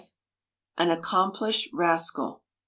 AN ACCOMPLISHED RASCAL.